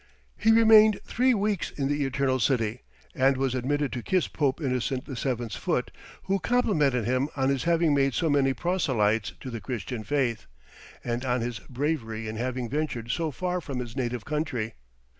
He remained three weeks in the eternal city, and was admitted to kiss Pope Innocent VII.'s foot, who complimented him on his having made so many proselytes to the Christian faith, and on his bravery in having ventured so far from his native country.